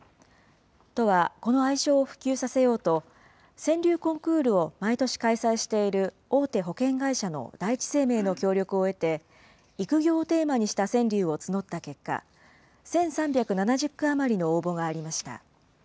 都はこの愛称を普及させようと、川柳コンクールを毎年開催している、大手保険会社の第一生命の協力を得て、育業をテーマにした川柳を募った結果、１３７０句余りの応募がありました。